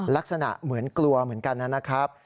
ลักษณะเหมือนกลัวเหมือนกันนะครับ